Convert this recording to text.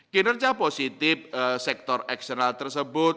kinerja positif sektor eksternal tersebut